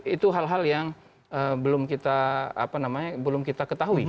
itu hal hal yang belum kita ketahui